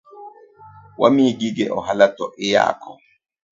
Wamiyi gige ohala to iyako?